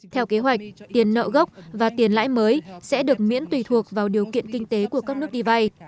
theo kế hoạch tiền nợ gốc và tiền lãi mới sẽ được miễn tùy thuộc vào điều kiện kinh tế của các nước đi vay